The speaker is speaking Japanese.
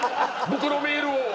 僕のメールを。